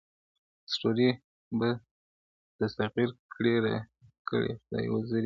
ستیوري به تسخیر کړمه راکړي خدای وزري دي,